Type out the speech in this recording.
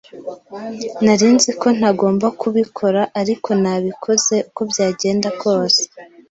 Nari nzi ko ntagomba kubikora, ariko nabikoze uko byagenda kose.